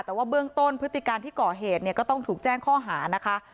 แต่ว่าเบื้องต้นพฤติการที่ก่อเหตุเนี่ยก็ต้องถูกแจ้งข้อหานะคะ